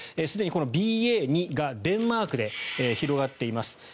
すでにこのＢＡ．２がデンマークで広がっています。